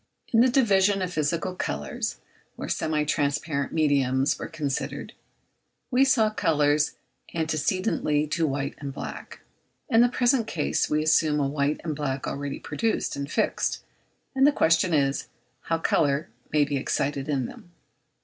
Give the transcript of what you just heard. In the division of physical colours, where semi transparent mediums were considered, we saw colours antecedently to white and black. In the present case we assume a white and black already produced and fixed; and the question is, how colour can be excited in them?